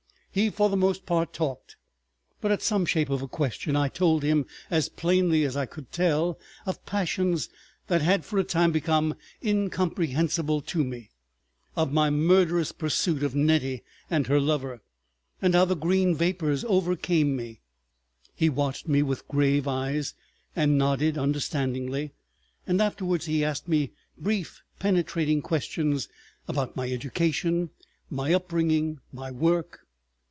He for the most part talked, but at some shape of a question I told him—as plainly as I could tell of passions that had for a time become incomprehensible to me—of my murderous pursuit of Nettie and her lover, and how the green vapors overcame me. He watched me with grave eyes and nodded understandingly, and afterwards he asked me brief penetrating questions about my education, my upbringing, my work.